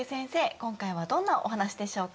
今回はどんなお話でしょうか。